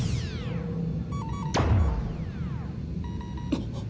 あっ！